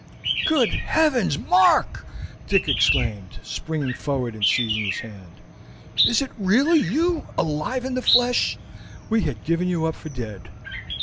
"Good Heavens, Mark!" Dick exclaimed, springing forward and seizing his hand, "is it really you alive in the flesh? We had given you up for dead.